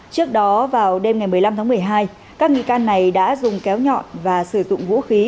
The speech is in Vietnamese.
trước đó vào đêm ngày một mươi năm tháng một mươi hai các nghi can này đã dùng kéo nhọn và sử dụng vũ khí